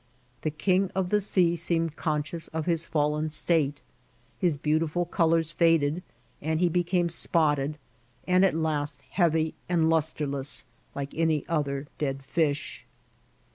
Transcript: The king of the sea seemed conscious of his fallen state ; his beantifbl odkinrs faded, and he became spotted, and at last heavy and lustreless, like any other dead fish.